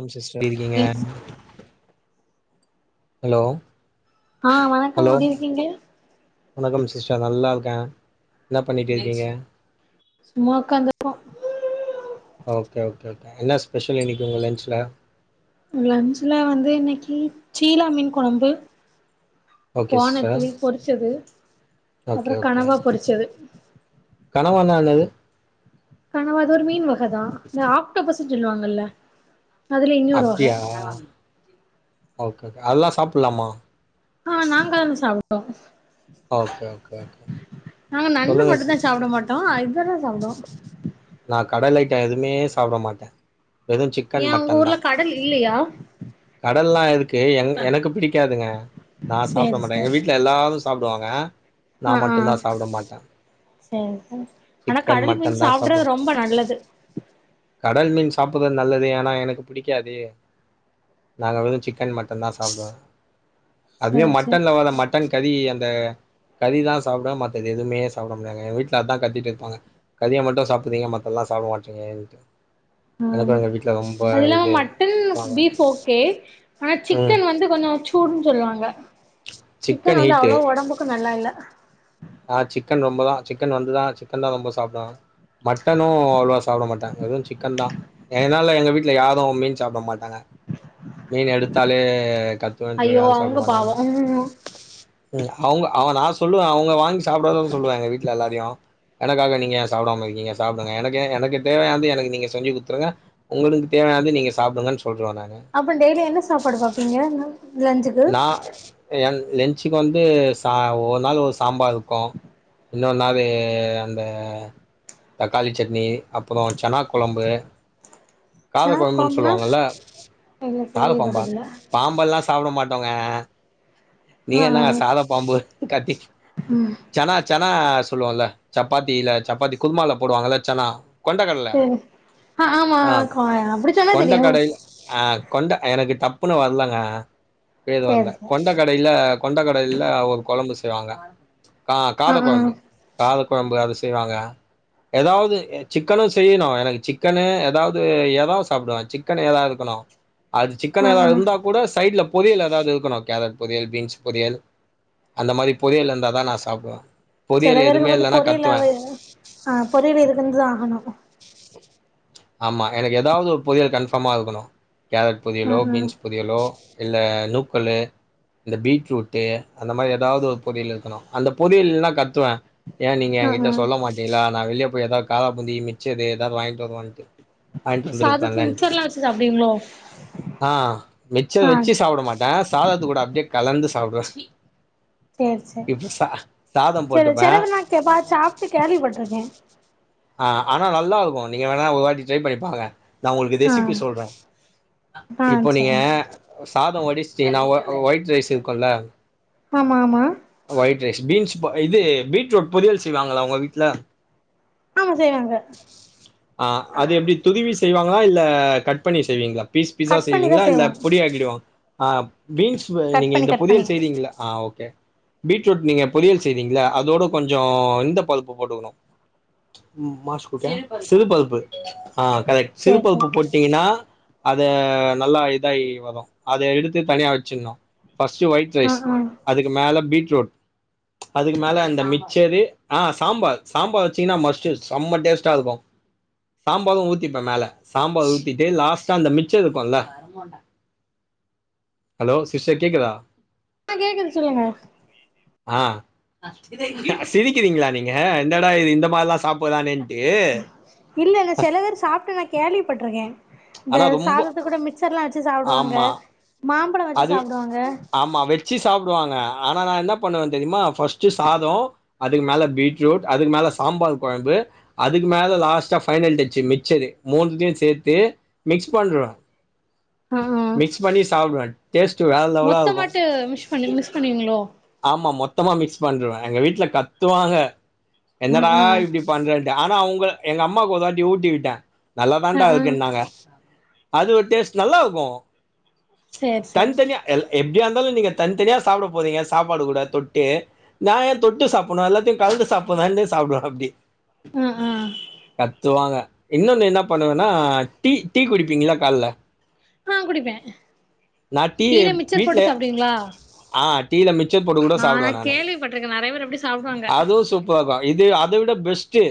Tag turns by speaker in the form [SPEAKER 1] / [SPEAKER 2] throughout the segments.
[SPEAKER 1] ஓம் sister இருக்கீங்க hello
[SPEAKER 2] ஆ வணக்கம்
[SPEAKER 1] ஹலோ
[SPEAKER 2] எப்டி இருக்கீங்க
[SPEAKER 1] வணக்கம் சிஸ்டர் நல்லார்க்கே எனா பண்ணிட் இருக்கீஙக
[SPEAKER 2] சும்மா ஒக்காந்து போ
[SPEAKER 1] ஓகே ஓகே ஓகே என்னா ஸ்பெஷல் இன்னிக் உங்க லன்ச்ல
[SPEAKER 2] லன்ச்சுல வந்து இன்னிக்கி ச்சீலா மீன் கொழம்பு
[SPEAKER 1] ஓகே சிஸ்டர்
[SPEAKER 2] கோணத்தில் பொரிச்சது அப்றோ
[SPEAKER 1] ஓகே ஓகே
[SPEAKER 2] கனவா பொறிச்சது
[SPEAKER 1] கனவானா என்னது
[SPEAKER 2] கனவா அது ஒரு மீன் வக தா இந்த ஆக்டோபஸ்ஸுன் சொல்லுவாங்கல்ல அதுல இன்யொரு வக
[SPEAKER 1] ஆ ஓகே ஓகே அல்லா சாப்புலாமா
[SPEAKER 2] ஆ நாங்கந் சாப்புட்டோ
[SPEAKER 1] ஓகே ஓகே ஓக்
[SPEAKER 2] நாங்க நண்டு மட்டு தா ச்சாப்ட மாட்டோ அதுக்தா நா சாப்டோ
[SPEAKER 1] நா கடலைட்டா எதுமே சாப்ட மாட்டே வெது சிக்கன்
[SPEAKER 2] ஏ உங்க
[SPEAKER 1] மட்டன் தா
[SPEAKER 2] ஊர்ல கடல் இல்லையா
[SPEAKER 1] கடல்லா இருக்கு என் எனக்கு பிடிக்காதுங்க நா
[SPEAKER 2] சேரி
[SPEAKER 1] சாப்ட மாட்டே
[SPEAKER 2] சேரி
[SPEAKER 1] எங்க வீட்ல எல்லாரு சாப்டுவாங்க நா மட்டுதா சாப்ட மாட்
[SPEAKER 2] செர் செ ஆனா கடல் மீன்
[SPEAKER 1] மட்டன் தா சாப்டுவே
[SPEAKER 2] சாப்ட்றது ரொம்ப நல்லது
[SPEAKER 1] கடல் மீன் சாப்புது நல்லது ஏனா எனக்கு பிடிக்காதே நாங்க வெறு சிக்கன் மட்டன் தா சாப்டுவே அதுவே
[SPEAKER 2] சேரி சேரி
[SPEAKER 1] மட்டன்ல வர மட்டன் கறி அந்த கறிதா சாப்டே மத்த எது எதுமே சாப்ட முடியாங்க எ வீட்ல அத்தா கத்திட் இருப்பாங்க கறிய மட்டு சாப்புரீங்க மத்ததல்லா சாப்ட மாட்றீங்க ஏன்ட்டு
[SPEAKER 2] ஆம் அது இல்லாம
[SPEAKER 1] இது
[SPEAKER 2] மட்டன்
[SPEAKER 1] கத்துவாங்க
[SPEAKER 2] பீஃப் ஓகே ஆனா
[SPEAKER 1] ம்
[SPEAKER 2] சிக்கன் வந்து கொஞ்சு சூடுன் ச்சொல்லுவாங்க சிக்கன் வந்து அவ்ளா ஒடம்புக்கு நல்லா இல்ல
[SPEAKER 1] ஆ சிக்கன் ரொம்பதா சிக்கன் வந்துதா சிக்கன்லா ரொம்ப சாப்டோ மட்டனு அவ்ள்வா சாப்பட மாட்டே வெறு சிக்கன் தா ஏன்னால எங்க வீட்ல யாரு மீன் சாப்ட மாட்டாங்க மீன் எடுத்தாலே கத்துவேன் சொல்லி
[SPEAKER 2] ஐயோ
[SPEAKER 1] யாரு சாப்பட
[SPEAKER 2] அவங்க
[SPEAKER 1] மாட்டாங்க
[SPEAKER 2] பாவோ
[SPEAKER 1] ம் அவுக்த நா சொல்லுவே அவுங்க வாங்கி சொல்லுவாங்க எங்க வீட்டல எல்லாரையு எனக்காக நீங்க சாப்படாம இருக்கீங்க சாப்படுங்க எனக்கு எனக்கு தேவையானந்து எனக்கு நீங்க செஞ்சு குடுத்துருங்க உங்களுக்கு தேவையாவது நீங்க சாப்டுங்கன்னு சொல்ற நானு
[SPEAKER 2] அப்ப டெய்லி என்ன சாப்பாடு சாப்டுவீங்க
[SPEAKER 1] நா எ லென்ச்சுக்கு வந்து ச ஒரு நாள் ஒரு சாம்பார் இருக்கு இல்லன்னா அது அந்த தக்காளி சட்னி அப்பறோ சென்னா கொழம்பு கால
[SPEAKER 2] சனா
[SPEAKER 1] கொழம்புன்
[SPEAKER 2] கொழம்புனா
[SPEAKER 1] சொல்லுவாங்கல்ல
[SPEAKER 2] இல்ல
[SPEAKER 1] கால பாம்பா
[SPEAKER 2] கேள்விப்பட்டதில்ல
[SPEAKER 1] பாம்பெல்லா சாப்ட மாட்டோங்க நீங்க
[SPEAKER 2] ஆ ஆ
[SPEAKER 1] என்னங்க சாத பாம்பு கட்டி
[SPEAKER 2] ம்
[SPEAKER 1] செனா செனா சொல்லுவோல சப்பாத்தில சப்பாத்தி குருமால போடுவாங்கல்ல செனா கொண்ட கல்ல
[SPEAKER 2] சேரி ஆமா
[SPEAKER 1] ஆ
[SPEAKER 2] கா அப்டி சொன்னா
[SPEAKER 1] கொண்ட
[SPEAKER 2] தெரியு
[SPEAKER 1] கடை ஆ கொண்ட எனக்கு டப்புனு வர்லங்க பேரு
[SPEAKER 2] சேரி
[SPEAKER 1] வர்ல
[SPEAKER 2] சேரி
[SPEAKER 1] கொண்ட கடையில கொண்ட கடையில ஒரு கொழம்பு செய்வாங்க கா
[SPEAKER 2] ஆ
[SPEAKER 1] காத
[SPEAKER 2] ஆ
[SPEAKER 1] குழம்பு காது கொழம்பு அத செய்வாங்க ஏதாவது சிக்கனு செய்ணு எனக்கு சிக்கனு ஏதா து எறா சாப்பிடுவே சிக்கனு எறா இருக்கணு அது
[SPEAKER 2] ஆ
[SPEAKER 1] சிக்கனு எறா
[SPEAKER 2] ஆ
[SPEAKER 1] இருந்தா கூட சைட்லப் பொரியல் ஏதாது இருக்கணு கேரட் பொரியல் பீன்ஸ் பொரியல் அந்த மாரி பொரியல் இருந்தாதா நா சாப்டுவ
[SPEAKER 2] சில பேருக்கு வந்து பொரியலாவே ஆ பொரியல் இருக்குந்தா ஆகனு
[SPEAKER 1] ஆமா எனக்கு ஏதாவது ஒரு பொறியல் கன்ஃபமா இருக்கணு கேரட்
[SPEAKER 2] ஆ
[SPEAKER 1] பொறியலோ
[SPEAKER 2] ஆ
[SPEAKER 1] பீன்ஸ் பொறியலோ இல்ல நூக்கள்ளு இந்த பீட்ரூட்டு அந்த மாரி ஏதாவது ஒரு பொறியல் இருக்கணு அந்த பொறியல் இல்லன்னா கத்துவ ஏ நீங்க
[SPEAKER 2] ஆ ஆ
[SPEAKER 1] எங்ககிட்ட சொல்ல மாட்டீங்களா நா வெளிய போய் ஏதா காரா பூந்தி மிச்சரு ஏதா வாங்கிட்டு வருவான்ட்டு வாங்கிட்டு
[SPEAKER 2] சாதத்துக்கு
[SPEAKER 1] வந்துருப்பேலன்ட்டு
[SPEAKER 2] மிச்சர்லா வச்சு சாப்டுவீங்களோ
[SPEAKER 1] ஆ மிச்சர்
[SPEAKER 2] ஆ
[SPEAKER 1] வச்சு சாப்ட மாட் ட சாதத்து கூட அப்டியே கலந்து சாப்டுவ
[SPEAKER 2] சேரி சேரி
[SPEAKER 1] இப்டி ச சாதம்
[SPEAKER 2] சேரி
[SPEAKER 1] போட்டுப்ப
[SPEAKER 2] செரவ நா கேப்பா சாப்ட்டு கேள்விப்பட்ருக்கே
[SPEAKER 1] ஆ ஆனா நல்லா இருக்கு நீங்க வேணா ஒரு வாட்டி ட்ரை பண்ணிப்பாருங்க நா உங்களுக்கு
[SPEAKER 2] ஆ
[SPEAKER 1] ரெசிபி சொல்ற
[SPEAKER 2] ஆ
[SPEAKER 1] இப்ப நீங்க
[SPEAKER 2] சேரி
[SPEAKER 1] சாதோ வடிச்சுட்டிங்கனா ஒ ஒயிட் ரைஸ் இருக்குல்ல
[SPEAKER 2] ஆமா ஆமா
[SPEAKER 1] ஆ ஒயிட் ரைஸ் பீன்ஸ் இது பீட்ரூட் பொரியல் செய் வாங்களா உங்க வீட்ல
[SPEAKER 2] ஆமா செய்வாங்க
[SPEAKER 1] ஆ அது எப்டி துருவி செய்வாங்களா இல்ல கட் பண்ணி செய்வீங்ளா பீஸ் பிஸா
[SPEAKER 2] கட் பண்ணிதா
[SPEAKER 1] செய்வீங்ளா இல்ல
[SPEAKER 2] செய்வோ
[SPEAKER 1] பொடி ஆக்கிடுவோ ஆ பீன்ஸ் ப
[SPEAKER 2] கட்
[SPEAKER 1] நீங்க
[SPEAKER 2] பண்ணி
[SPEAKER 1] இந்த
[SPEAKER 2] கட் பண்ணி
[SPEAKER 1] பொரியல் செய்றீங்ளா ஆ ஓகே பீட்ரூட் நீங்க பொரியல் செய்றீங்ளா அதோட கொஞ்சோ இந்த பருப்பு போட்டுக்கணு சிறுபருப்பு ஆ கரெக்ட்
[SPEAKER 2] சேரி
[SPEAKER 1] சிறுபருப்பு
[SPEAKER 2] சேரி
[SPEAKER 1] போட் டிங்கன்னா அத நல்லா இதாயி வரு அத எடுத்து தனியா வச்சிர்ணு ஃபர்ஸ்ட்டு ஒயிட்
[SPEAKER 2] ஆ
[SPEAKER 1] ரைஸ்
[SPEAKER 2] ஆ
[SPEAKER 1] அதுக்கு மேல பீட்ரூட் அதுக்கு மேல அந்த மிச்சரு ஆ சாம்பார் சாம்பார் வச்சிங்கன்னா மஸ்ட்டு செம்ம டேஸ்ட்டா இருக்கு சாம்பாரு ஊத்திப்ப மேல சாம்பார் ஊத்திட்டு லாஸ்ட்டா அந்த மிச்ச இருக்குல்ல ஹலோ சிஸ்டர் கேக்குதா
[SPEAKER 2] ஆ கேக்குது சொல்லுங்க
[SPEAKER 1] ஆ சிரிக்கிறீங்ளா நீங்க என்டா இது இந்த மாரில்லா சாப்பறானேன்ட்டு
[SPEAKER 2] இல்லல்ல செல பேர் சாப்ட்டு நா கேள்விப்பட்ருக்கே இந்த
[SPEAKER 1] ஆனா ரொம்ப
[SPEAKER 2] சாதத்துக் குட மிச்சர்லா வச்சி சாப்டுவாங்க
[SPEAKER 1] ஆமா
[SPEAKER 2] மாம்பழோ வச்சு
[SPEAKER 1] அது
[SPEAKER 2] சாப்டுவாங்க
[SPEAKER 1] ஆமா வெச்சி சாப்டுவாங்க ஆனா நா என்ன பண்ணுவே தெரிமா ஃபர்ஸ்ட்டு சாதோ அதுக்கு மேல பீட்ரோட் அதுக்கு மேல சாம்பார் கொழம்பு அதுக்கு மேல லாஸ்ட்டா ஃபைனல் டச்சு மிச்சரு மூனுத்தியு சேத்து மிக்ஸ் பண்ருவே மிக்ஸ் பண்ணி சாப்டுவே டேஸ்ட்டு வேற லெவலா
[SPEAKER 2] மொத்த
[SPEAKER 1] இருக்கு
[SPEAKER 2] மாட்டு மிஸ் பண்ணு மிஸ் பண்ணுவீங்ளோ
[SPEAKER 1] ஆமா மொத்தமா மிக்ஸ் பண்ருவே எங்க வீட்ல கத்துவாங்க
[SPEAKER 2] ம்
[SPEAKER 1] என்னடா
[SPEAKER 2] ம்
[SPEAKER 1] இப்டி பண்றேன்டு ஆனா அவங்க எங்க அம்மாக்கு ஒரு தாட்டி ஊட்டி விட்டே
[SPEAKER 2] ஆ
[SPEAKER 1] நல்லாதான்டா
[SPEAKER 2] ஆ
[SPEAKER 1] இருக்குன்னாங்க அது ஒரு டேஸ்ட் நல்லாருக்கு
[SPEAKER 2] சேரி
[SPEAKER 1] தனி
[SPEAKER 2] சேரி
[SPEAKER 1] தனியா எல் எப்டியாருந்தாலு நீங்க தனி தனியா சாப்ட போறீங்க சாப்பாடு கூட தொட்டு நா ஏ தொட்டு சாப்புட்னு எல்லாத்யு கழன்டு சாப்பதா இருந்தா சாப்டுவே அப்டி
[SPEAKER 2] அ அ
[SPEAKER 1] கத்துவாங்க இன்னொன்னு என்ன பண்ணுவேனா டீ டீ குடிப்பீங்ள கால்ல
[SPEAKER 2] ஆ குடிப்பே
[SPEAKER 1] நா டீயே
[SPEAKER 2] டீல மிச்சர்
[SPEAKER 1] வீட்ல
[SPEAKER 2] போட்டு சாப்டுவீங்களா
[SPEAKER 1] ஆ டீல மிச்சர் போட்டு குட
[SPEAKER 2] ஆ நா
[SPEAKER 1] சாப்டுவே நானு
[SPEAKER 2] கேள்விப்பட்டிருக்கே நெறைய பேர் அப்டி சாப்டுவாங்க
[SPEAKER 1] அதுவு சூப் நா வா இது அத விட பெஸ்ட்டு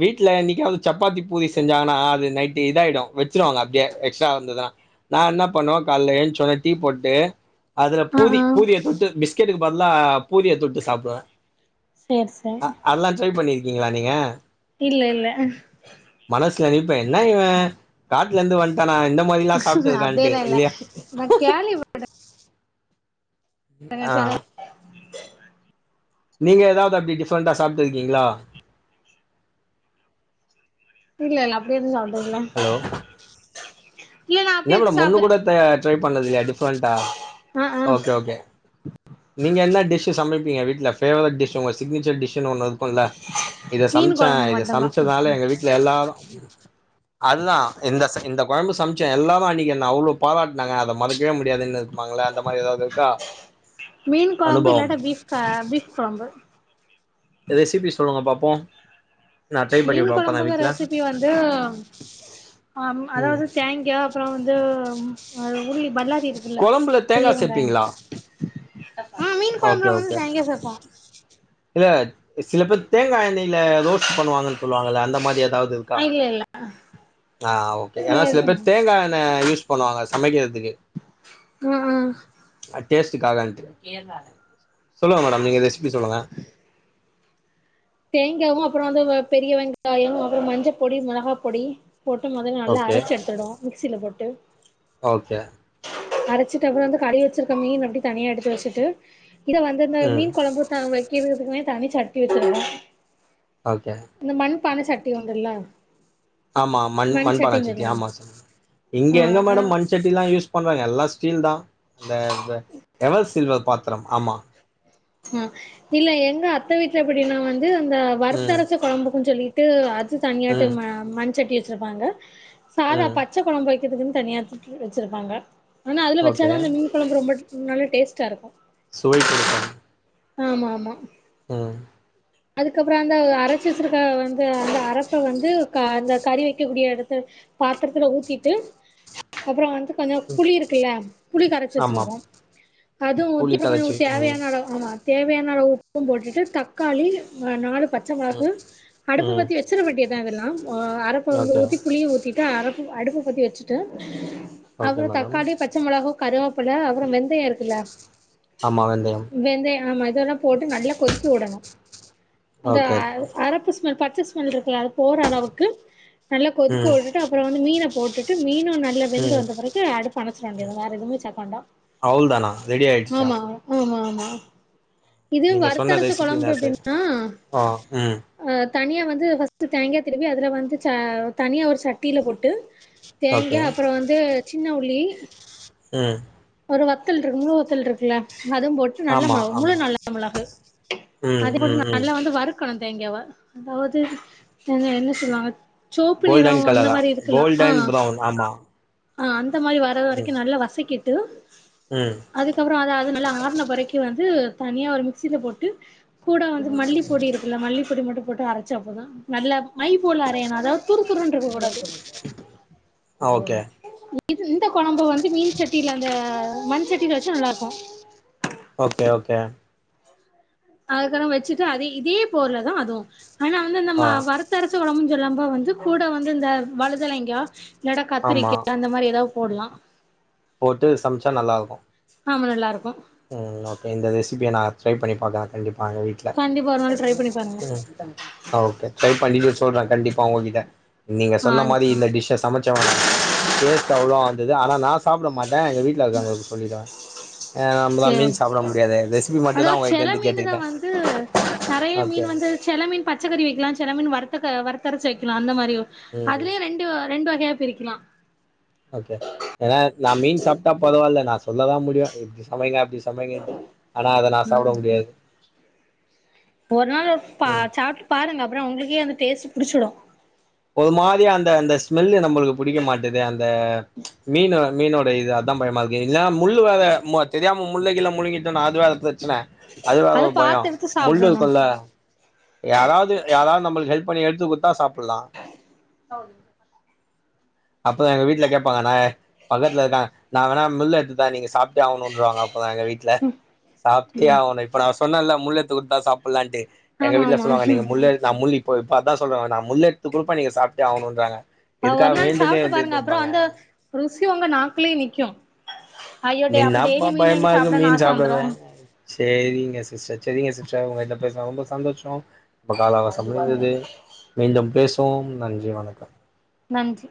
[SPEAKER 1] வீட்ல என்னிக்காது சப்பாத்தி பூரி செஞ்சாங்கன்னா அது நைட்டு இதாயிடு வெச்சுருவாங்க அப்டியே எக்ஸ்ட்டா வந்ததா நா என்னா பண்ணுவே கால்ல ஏன்ச்ச ஒடனே டீ போட்டு அதுல
[SPEAKER 2] ஆ
[SPEAKER 1] பூதி
[SPEAKER 2] ஆ
[SPEAKER 1] பூதிய தொட்டு மிஸ் பிஸ்கட்டு பதிலா பூரிய தொட்டு சாப்வே
[SPEAKER 2] சேர் சேரி
[SPEAKER 1] அதெல்லா ட்ரை பண்ணி ர்க்கீங்களா நீங்க
[SPEAKER 2] இல்ல இல்ல
[SPEAKER 1] மனசுல நெனப்பே என்னா இவ காட்ல இருந்து வன்ட்டானா இந்த மாரிலா சாப்ட்டு இருக்கான்ட்டு
[SPEAKER 2] அப்டியெல்லா இல்ல
[SPEAKER 1] இல்லயா
[SPEAKER 2] நா கேள்விபட்டே
[SPEAKER 1] ஆ
[SPEAKER 2] சில
[SPEAKER 1] நீங்க எதாது அப்டி டிஃப்ரெண்டா சாப்ட்ருக்கீங்களா
[SPEAKER 2] இல்ல இல்ல அப்டிய எதுவு சாப்ட்டது இல்ல நா அப்டி
[SPEAKER 1] என்னா
[SPEAKER 2] எதுவு
[SPEAKER 1] மேடம் ஒன்னு
[SPEAKER 2] சாப்டல
[SPEAKER 1] கூட த ட்ரை பண்ணது இல்லயா டிஃபரண்டா
[SPEAKER 2] ஆ ஆ
[SPEAKER 1] ஓகே ஓகே நீங்க என்னா டிஸ்ஸு சமப்பீங்க வீட்ல ஃபேவரட் டிஸு ஒங்க சிக்னிச்சர் டிஸுனு ஒன்னு இருக் குல இத
[SPEAKER 2] மீன்
[SPEAKER 1] சமச்சே
[SPEAKER 2] கொழம்பு
[SPEAKER 1] இத
[SPEAKER 2] மட்டுந்தா
[SPEAKER 1] சமைச்சதுனால எங்க வீட்ல எல்லாரு அதுதா இந்த செக இந்த கொழம்பு சமச்சே எல்லாரு அன்னிக் என்ன அவ்ளோ பாராட்டனாங்க அத மறக்கவே முடியாது என்னெது மங்கள அந்த மாரி எதாது இருக்கா
[SPEAKER 2] மீன் கொழம்பு
[SPEAKER 1] அனுபவம்
[SPEAKER 2] இல்லாட்ட பீஃப்க பீஃப் கொழம்பு
[SPEAKER 1] ரெசிபி சொல்லுங்க பாப்போ நா ட்ரை பண்ணி
[SPEAKER 2] மீன்
[SPEAKER 1] பாப்பே நா
[SPEAKER 2] கொழம்புங்க
[SPEAKER 1] வீட்ல
[SPEAKER 2] ரெசிபி வந்து ம் அதாது தேங் கா அப்றோ வந்து உருளி பல்லாரி இருக்குல்ல
[SPEAKER 1] கொழம்புல தேங்கா
[SPEAKER 2] பெரிய வெங்காயோ
[SPEAKER 1] சேப்பீங்களா
[SPEAKER 2] ஆ மீன்
[SPEAKER 1] ஓகே
[SPEAKER 2] கொழம்புல வந்து
[SPEAKER 1] ஓகே
[SPEAKER 2] தேங்கா சேப்போ
[SPEAKER 1] இல்ல சில பேர் தேங்கா எண்ணெயில ரோஸ்ட் பண்ணுவாங்கன்னு சொல்லுவாங்கல அந்த மாரி எதாது
[SPEAKER 2] இல்லல்ல
[SPEAKER 1] ஆ ஓகே ஏனா சில பேர் தேங்கா எண்ணெ யூஸ் பண்ணுவாங்க சமைக்கிறதுக்கு
[SPEAKER 2] ஆ
[SPEAKER 1] டேஸ்ட்டுகாகன்டு சொல்லுங்க மேடம் நீங்க ரெசிபி சொல்லுங்க
[SPEAKER 2] தேங்காவு அப்புறோ வந்து வ பெரிய வெங்காயோ அப்புற மஞ்சப் பொடி மிளகாப் பொடி போட்டு மொதல்ல நல்லா
[SPEAKER 1] ஓகே
[SPEAKER 2] அரைச்சு எடுத்துடு மிக்ஸில போட்டு
[SPEAKER 1] ஓகே
[SPEAKER 2] அரைச்சிட்டு அப்புற வந்து கழிவி வச்சிருக்க மீன்ன அப்டி தனியா எடுத்து வச்சுட்டு இத வந் து இந்த
[SPEAKER 1] ம்
[SPEAKER 2] மீன் கொழம்பு தா வெக்கிறதுக்குமே தனி சட்டி வச்சுருகோ
[SPEAKER 1] ஓகே
[SPEAKER 2] இந்த மண்பானை சட்டி உண்டுல்ல
[SPEAKER 1] ஆமா மண் மண்பானா
[SPEAKER 2] சட்டின்னு
[SPEAKER 1] செட்டி
[SPEAKER 2] சொல்லுவாங்க
[SPEAKER 1] ஆமா இங்க
[SPEAKER 2] ஆ
[SPEAKER 1] எங்க
[SPEAKER 2] ஆ
[SPEAKER 1] மேடம் மண் சட்டிலா யூஸ் பண்றாங்க எல்லா ஸ்டீல் தா இந்த அந்த எவல் சில்வர் பாத்திரம் ஆமா
[SPEAKER 2] ஆ இல்ல எங்க அத்தை வீட்டுல எப்டின்னா வந்து அந்த
[SPEAKER 1] ம்
[SPEAKER 2] வருத்தரச கொழம்புக்குன்னு சொல்லி ட்டு அது தனியாட்டு
[SPEAKER 1] ம்
[SPEAKER 2] ம மண் சட்டி வச்சுருப்பாங்க சாதா
[SPEAKER 1] ம்
[SPEAKER 2] பச்ச கொழம்பு வக்கிறதுக்குன்னு தனியாத்து வச்சிருப்பாங்க ஆனா அதுல
[SPEAKER 1] ஓகே
[SPEAKER 2] வச்சாதா அந்த மீன் கொழம்பு ரொம்ப நல்ல டேஸ்ட்டா இருக்கு
[SPEAKER 1] சுவை குடுக்கும்
[SPEAKER 2] ஆமா ஆமா
[SPEAKER 1] ம்
[SPEAKER 2] அதுக்கப்புற அந்த அரைச்சி வச்சிருக்க வந்து அந்த அரைப்ப வந்து க அந்த கறி வெக்கக்க கூடிய எடத்துல பாத்திரத்துல ஊத்திட்டு அப்புற வந்து கொஞ்சோ
[SPEAKER 1] ம்
[SPEAKER 2] புளி இருக்குல்ல புளி கரைச்சு
[SPEAKER 1] ஆமா
[SPEAKER 2] வச்சிருவோ அதுவும் ஊத்தி
[SPEAKER 1] புளி
[SPEAKER 2] இப்ப கொஞ்ச
[SPEAKER 1] கரச்சி ம்
[SPEAKER 2] தேவையான அளவு ஆமா தேவையான அளவு உப்பும் போட்டுட்டு தக்காளி நாலு பத்து பச்ச மொளகு
[SPEAKER 1] ம்
[SPEAKER 2] அடுப்பு
[SPEAKER 1] ம்
[SPEAKER 2] பத்தி வச்சிட வேட்டியதுதான் இதெல்லா ஒ அரப்ப வந்து
[SPEAKER 1] ஓகே
[SPEAKER 2] ஊத்தி புளியு ஊத்தி அ அரப்பு அடுப்பு பத்தி வச்சுட்டு
[SPEAKER 1] ஓகே
[SPEAKER 2] அப்புற
[SPEAKER 1] மேடம்
[SPEAKER 2] தக்காளி பச்சை மொளக கருவேப்பல அப்புற வெந்தய இருக் கில்ல
[SPEAKER 1] ஆமா வெந்தயம்
[SPEAKER 2] வெந்தய ஆமா இதல்லாம் போட்டு நல்லா கொதிக்க விடணு அந்த
[SPEAKER 1] ஓகே
[SPEAKER 2] அரப்பு ஸ்மெல் பச்சை ஸ்மெல் இருக்குது போற அளவுக்கு நல்லா கொதிக்க
[SPEAKER 1] ம்
[SPEAKER 2] விட்டுட்டு அப்புறோ இந்த மீன போட்டுட்டு மீன நல்ல வெந்து
[SPEAKER 1] ம்
[SPEAKER 2] வந்த பிறகு அடுப்ப அணைச்சிட வேண்டியது தா வேற எதுவுமே சேக்க வேண்டா
[SPEAKER 1] அவ்ளோதானா ரெடி ஆயிடுச்சா
[SPEAKER 2] ஆமா ஆமா ஆமா இது
[SPEAKER 1] நீங்க சொன்ன
[SPEAKER 2] வருத்தரச்சி
[SPEAKER 1] ரெசிபி
[SPEAKER 2] கொழம்பு
[SPEAKER 1] தா சார்
[SPEAKER 2] எப்டின்னா
[SPEAKER 1] ஆ ம்
[SPEAKER 2] அ தனியா வந்து ஃபர்ஸ்ட் தேங்காய் திருவி அதுல வந்து ச தனியா ஒரு சட்டியில போட்டு தேங்க
[SPEAKER 1] ஓகே
[SPEAKER 2] அப்புற வந்து சின்னவுள்ளி
[SPEAKER 1] ம்
[SPEAKER 2] ஒரு வத்தல் இருக்கு முழு வத்தல் இருக்குல்ல அதுவு போட்டு நல்ல
[SPEAKER 1] ஆமா
[SPEAKER 2] மொ முழு
[SPEAKER 1] ஆமா
[SPEAKER 2] நல்ல மொளகு
[SPEAKER 1] ம்
[SPEAKER 2] அதே
[SPEAKER 1] ம்
[SPEAKER 2] போட்ட
[SPEAKER 1] ம்
[SPEAKER 2] நல்லா வந்து வறுக்கணு தேங்காவ அதாவதுங்க என்ன சொல்லுவாங்க சோப்பு நிறோ
[SPEAKER 1] கோல்டன்
[SPEAKER 2] அந்த
[SPEAKER 1] கலரா
[SPEAKER 2] மாரி இருக்குல்லா ஆ
[SPEAKER 1] கோல்டன் ப்ரவுன் ஆமா
[SPEAKER 2] ஆ அந்த மாரி வர்ற வரைக்கு
[SPEAKER 1] ம்
[SPEAKER 2] நல்லா வசக்கிட்டு
[SPEAKER 1] ம்
[SPEAKER 2] அதுக்கப்புற அத அது நல்லா ஆறன பறைக்கு வந்து தனியா ஒரு மிக்சில போட்டு கூட வந்து மல்லிப்பொடி இருக்குல்ல மல்லிப்ப பொடி மட்டு போட்டு அரைச்சா போது நல்ல மை போல அறையணு அதாவது துரு துருன்னு இருக்க கூடாது
[SPEAKER 1] அ ஓகே
[SPEAKER 2] இ இந்த கொழம்பு வந்து மீன் சட்டியில அந்த மண்சட்டில வச்சா நல்லா இருக்கு
[SPEAKER 1] ஓகே ஓகே
[SPEAKER 2] அதுக்கற வச்சுட்டு அதே இதே போருல தா அதுவு ஆனா வந்து அந்த ம
[SPEAKER 1] ஆ
[SPEAKER 2] வரத்தர ச்ச கொழம்புன்னு சொல்ல வந்து கூட வந்து இந்த வலதுலைங்க இல்லட
[SPEAKER 1] ஆமா
[SPEAKER 2] கத்திரிக்க அந்த மாரி ஏதாவது போட்லா
[SPEAKER 1] போட்டு சமச்சா நல்லா இருக்கு
[SPEAKER 2] ஆமா நல்லா இருக்கு
[SPEAKER 1] ம் ஓகே இந்த ரெசிபிய நா ட்ரை பண்ணி பாக்க கண்டிப்பாங்க எங்க வீட்ல
[SPEAKER 2] கண்டிப்பா ஒரு நாள் ட்ரை பண்ணி பாருங்க
[SPEAKER 1] ஓகே ட்ரை பண்ணிட்டு சொல்றே கண்டிப்பா உங்ககிட்ட நீங்க
[SPEAKER 2] ஆ
[SPEAKER 1] சொன்ன மாரி
[SPEAKER 2] சேரி
[SPEAKER 1] இந்த டிஷ்ஷ சமைச்ச வே டேஸ்ட் அவ்ளோ வந்துது ஆனா நா சாப்பிட மாட்டே எங்க வீட்ல இருக்கவுங்ளுக்கு சொல்லிடுவே ஏ நம்மளா
[SPEAKER 2] செரி
[SPEAKER 1] மீன் சாப்ட முடியாது ரெசிபி மட்டுந்தா
[SPEAKER 2] அதாவ்து
[SPEAKER 1] உங்ககிட்ட
[SPEAKER 2] செல
[SPEAKER 1] இருந்து
[SPEAKER 2] மீன்னுதா
[SPEAKER 1] கேட்டுக்கிட்டே
[SPEAKER 2] வந்து நறைய
[SPEAKER 1] ஓகே
[SPEAKER 2] மீன் வந்து செலமீன் பச்சக்கறி வைக்கலா செமீன் வர வருத் வருத்தரச்சு வைக்கலா அந்த மாதிரி
[SPEAKER 1] ம்
[SPEAKER 2] அதுலே ரெண்டு வகையா பிரிக்கலா
[SPEAKER 1] ஓகே ஏன்னா நா மீன் சாப்ட்டா பரவால்ல நா சொல்லதா முடியும் இப்டி சமைங்க அப்டி சமைங்கன்ட்டு ஆனா அத நா
[SPEAKER 2] ம்
[SPEAKER 1] சாப்ட முடியாது
[SPEAKER 2] ஒரு நாள் ஒரு பா
[SPEAKER 1] ம்
[SPEAKER 2] சாப்ட்டு பாருங்க அப்றோ உங்ளுக்கே அந்த டேஸ்ட் புடிச்சிடு
[SPEAKER 1] ஒரு மாதிரி அந்த அந்த ஸ்மெல்லு நம்ளுக்கு புடிக்க மாட்டது அந்த மீன்னு மீனோட இது அதா பயமா இருக்கு இல்லனா முள்ளு வேற தெரியாம முள்ளுகிள்ளு முழுங்கிட்டோனா அது வேற பிரச்சன அது வேற ஒரு பயோ
[SPEAKER 2] பாத்து எடுத்து
[SPEAKER 1] முள்ளு
[SPEAKER 2] சாப்டணு
[SPEAKER 1] இருக்குள்ள யாராவ்து யாராவ்து நம்ளுக்கு ஹெல்ப் பண்ணி எடுத்து குடுத்தா சாப்புட்லா அப்போ எங்க வீட்டல கேப்பாங்க நா பக்கத்துல இருக்காங்க நா வேணா மிள்ளு எட்த்துதா நீங்க சாப்பிட்டே ஆவ்ணுன்றவாங்க எங்க வீட் ல சாப்பிட்டே ஆவுணு இப்ப நா சொன்னேல்லே முள்ள எட்த்து குடுத்தா சாப்புல்லான்ட்டு எங்க
[SPEAKER 2] ஆமா
[SPEAKER 1] வீட்ல
[SPEAKER 2] ஆமா
[SPEAKER 1] சொல்லுவாங்க நீ முள்ள நா முள் இப்ப இப்ப அதா சொல்றாங்க நா முள்ள எடுத்து குடுப்ப நீ சாப்ட்டே ஆகணுன்றாங்க
[SPEAKER 2] அ ஒரு
[SPEAKER 1] எதுக்காக
[SPEAKER 2] நாள்
[SPEAKER 1] வேண்டுனே
[SPEAKER 2] சாப்ட்டு
[SPEAKER 1] வந்து
[SPEAKER 2] பாருங்க அப்றோ
[SPEAKER 1] இதுன்பாங்க
[SPEAKER 2] அந்த ருசி ஒங்க நாக்லே நிக்கு ஐயோ டே அப்ப
[SPEAKER 1] என்னாப்பா
[SPEAKER 2] டெய்லியு மீன் வாங்கி
[SPEAKER 1] பயமா இருக்கு
[SPEAKER 2] சாப்டன்னு
[SPEAKER 1] மீன்
[SPEAKER 2] ஆச வந்துரு
[SPEAKER 1] சாப்டவே சேரிங்க சிஸ்டர் சேரிங்க சிஸ்டர் உங்கல்ட பேசுனது ரொம்ப சந்தோஷோ நம்ப கால அவகாசோ முடிஞ்சது மீண்டும் பேசுவோம் நன்றி வணக்கம்
[SPEAKER 2] நன்றி